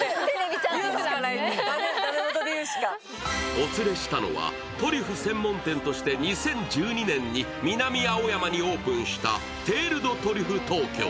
お連れしたのはトリュフ専門店として２０１２年に南青山にオープンしたテール・ド・トリュフ東京。